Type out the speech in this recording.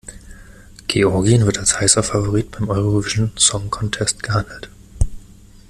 Georgien wird als heißer Favorit beim Eurovision Song Contest gehandelt.